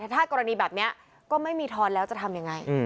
ถ้ากรณีแบบนี้ก็ไม่มีทอนแล้วจะทำยังไง